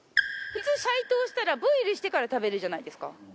普通解凍したらボイルしてから食べるじゃないですか。